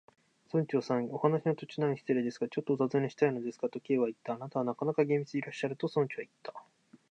「村長さん、お話の途中なのに失礼ですが、ちょっとおたずねしたいのですが」と、Ｋ はいった。「あなたはなかなか厳密でいらっしゃる」と、村長はいった。